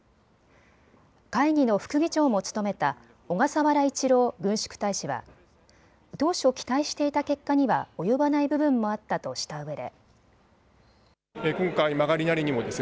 会議の副議長も務めた小笠原一郎軍縮大使は当初、期待していた結果には及ばない部分もあったとしたうえで。